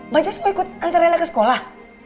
bajis mau ikut nganterin rina ke sekolah